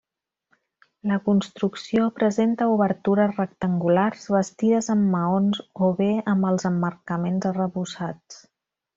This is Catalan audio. La construcció presenta obertures rectangulars bastides en maons o bé amb els emmarcaments arrebossats.